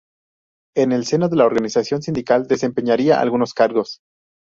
En el seno de la Organización Sindical desempeñaría algunos cargos.